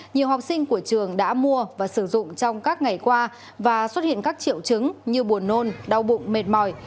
nhiều học sinh của trường đã mua và sử dụng trong các ngày qua và xuất hiện các triệu chứng như buồn nôn đau bụng mệt mỏi